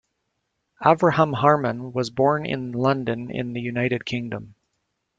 Avraham Harman was born in London in the United Kingdom.